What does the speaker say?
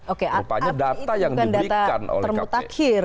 oke apakah itu bukan data termutakhir